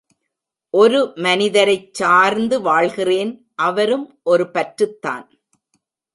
ஒரு மனிதரைச் சார்ந்து வாழ்கிறேன் அவரும் ஒரு பற்றுத்தான்.